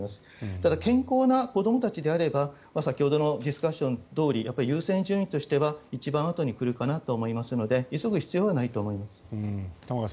ただ健康な子どもたちであれば先ほどのディスカッションのとおり優先順位としては一番あとに来るかなと思いますので急ぐ必要はないかなと。